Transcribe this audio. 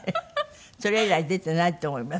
それ以来出てないと思います。